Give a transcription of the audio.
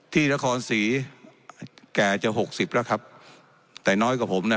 ที่นครศรีแก่จะหกสิบแล้วครับแต่น้อยกว่าผมน่ะ